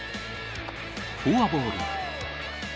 フォアボール。